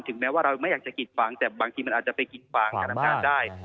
แม้ว่าเราไม่อยากจะกิดฟางแต่บางทีมันอาจจะไปกิดฟางกับอาการได้